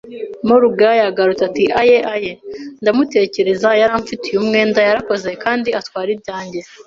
Morgan yagarutse ati: “Aye, aye!” “Ndamutekereza; yari amfitiye umwenda, yarakoze, kandi atwara ibyanjye